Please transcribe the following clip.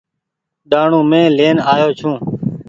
ڏآڻو مين لين آيو ڇون ۔